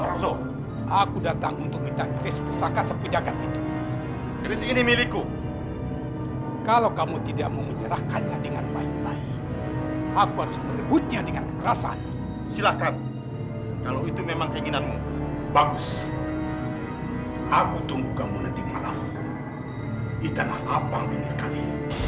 hai ada apa aku datang untuk minta kris pusaka sepujakan itu ini milikku kalau kamu tidak mau menyerahkannya dengan baik baik aku harus merebutnya dengan kekerasan silakan kalau itu memang keinginanmu bagus aku tunggu kamu nanti malam di tanah abang bingkari